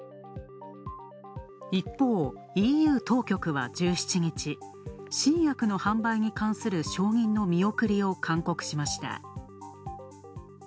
一方、ＥＵ当局は１７日、新薬の販売に関する承認の見送りを勧告しました。